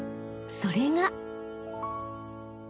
それが］